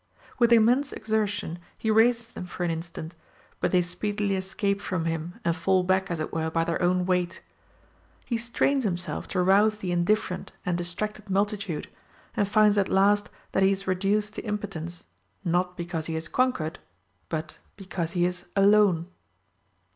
With immense exertion he raises them for an instant, but they speedily escape from him, and fall back, as it were, by their own weight. He strains himself to rouse the indifferent and distracted multitude, and finds at last that he is reduced to impotence, not because he is conquered, but because he is alone.